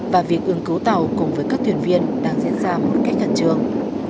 và việc ứng cứu tàu cùng với các tuyển viên đang diễn ra một cách gần trường